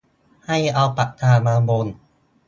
ให้เอาปากกามาวง